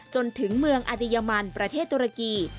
จนถึงเมืองอเดียมันประเทศตุรกี